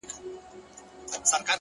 هره هڅه د باور بنسټ پیاوړی کوي!